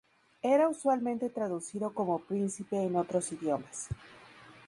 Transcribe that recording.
Era usualmente traducido como "principe" en otros idiomas.